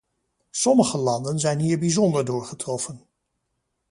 Sommige landen zijn hier bijzonder door getroffen.